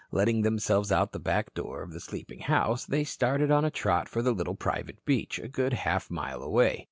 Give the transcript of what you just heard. Letting themselves out of the back door of the sleeping house, they started on a trot for the little private beach, a good half mile away.